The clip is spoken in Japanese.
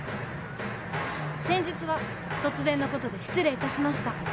先日は突然のことで失礼いたしました。